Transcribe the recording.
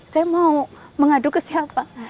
saya mau mengadu ke siapa